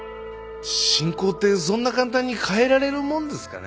信仰ってそんな簡単に変えられるもんですかね？